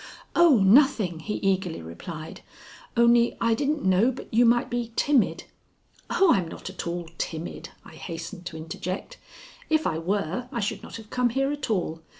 "Oh, nothing," he eagerly replied, "only I didn't know but you might be timid " "Oh, I'm not at all timid," I hastened to interject. "If I were, I should not have come here at all.